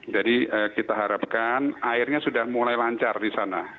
jadi kita harapkan airnya sudah mulai lancar di sana